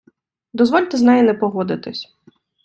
Дозвольте з нею не погодитись.